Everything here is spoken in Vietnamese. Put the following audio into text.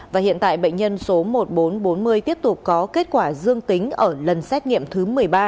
và hiện tại bệnh nhân số một nghìn bốn trăm bốn mươi tiếp tục có kết quả dương tính ở lần xét nghiệm thứ một mươi ba